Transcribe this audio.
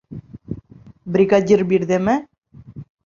Бригадир бирҙеме?